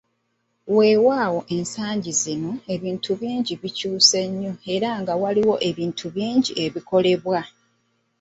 Weewaawo ensangi zino ebintu bingi bikyuse nnyo era nga waliwo ebinti bingi ebikolebwa.